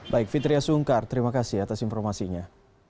baik fitriah sungkar terima kasih atas informasinya